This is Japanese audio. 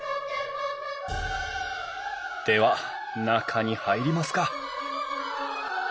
では中に入りますか